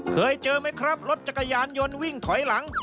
เคยเจอไหมครับรถจักรยานยนต์วิ่งถอยหลัง